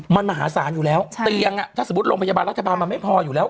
มันมหาศาลอยู่แล้วเตียงอ่ะถ้าสมมุติโรงพยาบาลรัฐบาลมันไม่พออยู่แล้ว